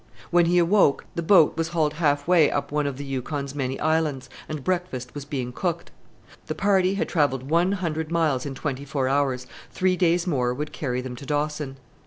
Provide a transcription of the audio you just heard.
When he awoke the boat was hauled half way up one of the Yukon's many islands, and breakfast was being cooked. The party had travelled one hundred miles in twenty four hours; three days more would carry them to Dawson.